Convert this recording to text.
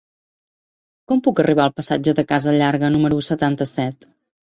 Com puc arribar al passatge de Casa Llarga número setanta-set?